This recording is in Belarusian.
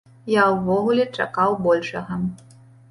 Я ўвогуле чакаў большага.